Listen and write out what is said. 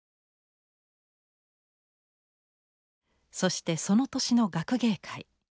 そしてその年の学芸会。